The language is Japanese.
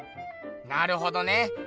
なるほどね。